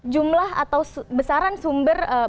jumlah atau besaran sumber